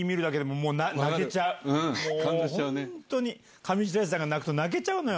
もう本当に、上白石さんが泣くと泣けちゃうのよ。